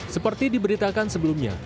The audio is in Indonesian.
seperti diberitakan sebelumnya